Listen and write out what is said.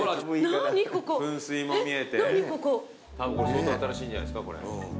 相当新しいんじゃないですかこれ。